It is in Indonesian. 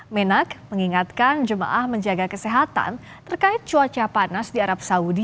menak mengingatkan jemaah menjaga kesehatan terkait cuaca panas di arab saudi